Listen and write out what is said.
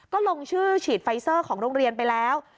ก็ลงชื่อฉีดไฟเซอร์ของโรงเรียนไปแล้ว